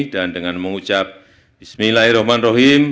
dan dengan mengucap bismillahirrahmanirrahim